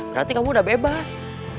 berarti kamu udah bebas